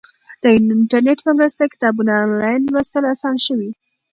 د انټرنیټ په مرسته کتابونه آنلاین لوستل اسانه شوي.